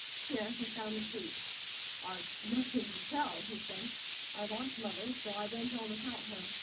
Here he found a seat. "I've nothing to tell," he said. "I lost Mother, so I went on without her.